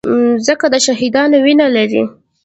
مځکه د شهیدانو وینه لري.